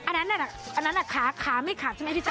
อะนั้นน่ะคาคาไม่ขับใช่ไหมพี่จ้ะ